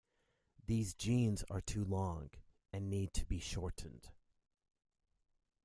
These jeans are too long, and need to be shortened.